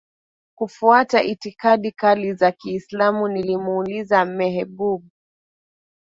kufuata itikadi kali za Kiislamu Nilimuuliza Mehboob